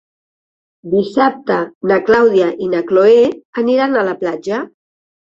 Dissabte na Clàudia i na Cloè aniran a la platja.